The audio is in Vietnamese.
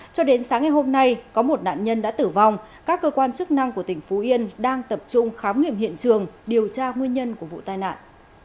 cho đến sáng ngày hôm nay có một nạn nhân đã tử vong các cơ quan chức năng của tỉnh phú yên đang tập trung khám nghiệm hiện trường điều tra nguyên nhân của vụ tai nạn